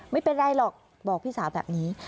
ไม่เป็นไรหรอกบอกพี่สาวแบบนี้